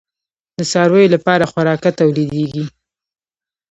د څارویو لپاره خوراکه تولیدیږي؟